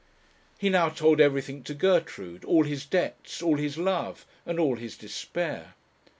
He now told everything to Gertrude, all his debts, all his love, and all his despair.